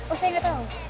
oh saya gak tau